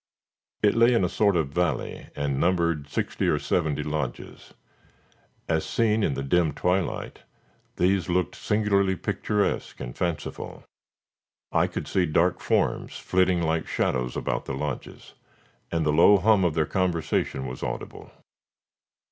It lay in a sort of valley, and numbered sixty or seventy lodges. As seen in the dim twilight these looked singularly picturesque and fanciful. I could see dark forms flitting like shadows about the lodges, and the low hum of their conversation was audible.